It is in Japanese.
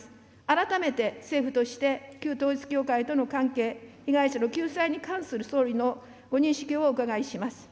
改めて政府として、旧統一教会との関係、被害者の救済に関する総理のご認識をお伺いします。